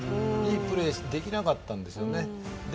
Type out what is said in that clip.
いいプレーができなかったんですよね。